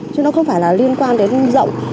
chứ nó không phải là liên quan đến rộng